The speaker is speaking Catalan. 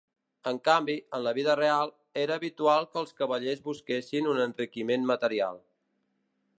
En canvi, en la vida real, era habitual que els cavallers busquessin un enriquiment material.